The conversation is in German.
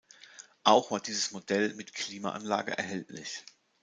Auch war dieses Modell mit Klimaanlage erhältlich.